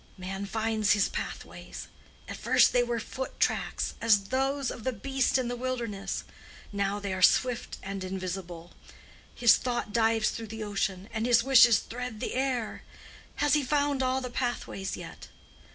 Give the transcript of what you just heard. Man finds his pathways: at first they were foot tracks, as those of the beast in the wilderness: now they are swift and invisible: his thought dives through the ocean, and his wishes thread the air: has he found all the pathways yet?